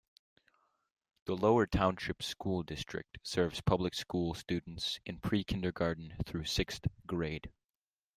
The Lower Township School District serves public school students in pre-kindergarten through sixth grade.